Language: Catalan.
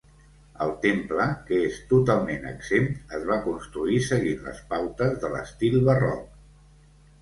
El temple, que és totalment exempt, es va construir seguint les pautes de l'estil Barroc.